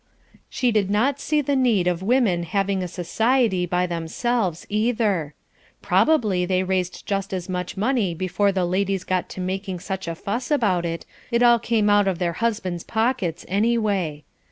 She did not see the need of women having a society by themselves either. Probably they raised just as much money before the ladies got to making such a fuss about it, it all came out of their husband's pockets anyway.